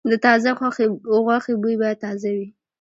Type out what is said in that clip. د تازه غوښې بوی باید تازه وي.